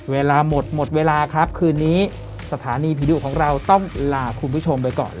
เวลาหมดหมดเวลาครับคืนนี้สถานีผีดุของเราต้องลาคุณผู้ชมไปก่อน